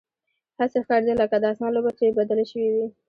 هسې ښکارېده لکه د اسمان لوبه چې بدله شوې وي.